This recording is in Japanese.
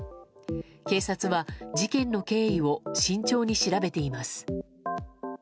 警察は、事件の経緯を慎重に調べています。